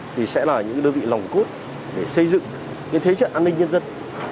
thì sẽ là những đơn vị lòng cốt để xây dựng thế trận an ninh nhân dân